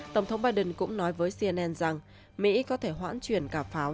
tổng thống biden cũng nói với cnn rằng mỹ có thể hoãn chuyển cả pháo